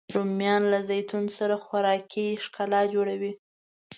رومیان له زیتون سره خوراکي ښکلا جوړوي